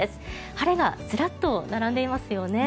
晴れがずらっと並んでいますよね。